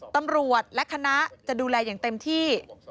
ตำรวจและคณะจะดูแลอย่างเต็มที่